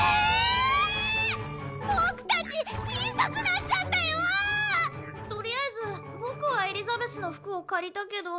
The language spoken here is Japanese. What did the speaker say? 僕たち小さくなっちゃっとりあえず僕はエリザベスの服を借りたけど。